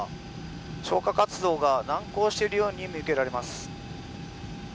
消火活動が難航しているように見受けられます。